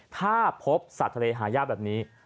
ถ้าพบสัตว์ทะเลหายากแบบนี้